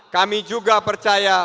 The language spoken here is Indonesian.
kami juga percaya